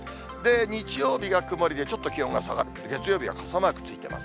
日曜日が曇りでちょっと気温が下がって、月曜日は傘マークついてます。